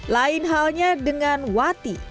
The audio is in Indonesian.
lain halnya dengan wati